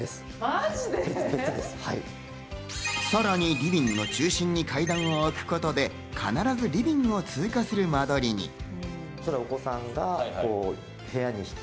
さらにリビングの中心に階段を置くことで、必ずリビングを通過する間取りに。